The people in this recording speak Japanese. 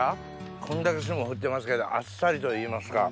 こんだけ霜降ってますけどあっさりといいますか。